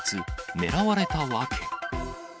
狙われた訳。